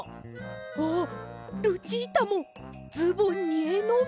あっルチータもズボンにえのぐ！